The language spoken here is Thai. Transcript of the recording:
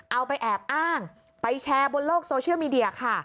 เอาไปแอบอ้างไปแชร์บนโลกโซเชียลมีเดียค่ะ